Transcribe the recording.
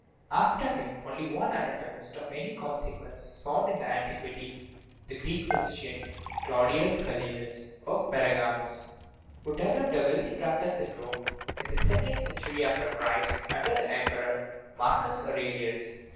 After him only one anatomist of any consequence is found in an tiquity, the Greek physician Claudius Galenus (of Per gamus), who developed a wealthy practice in Rome in the second century after Christ, under the Emperor Marcus Aurelius.